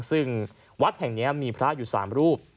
ซึ่งวัดแห่งนี้มีพระอยู่๓รูป